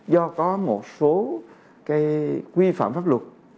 do có một số cái quy phạm pháp luật